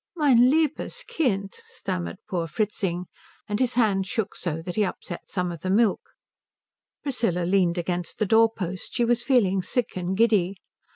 "Mein liebes Kind," stammered poor Fritzing; and his hand shook so that he upset some of the milk. Priscilla leaned against the door post. She was feeling sick and giddy.